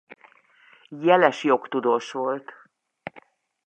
Jeles jogtudós volt.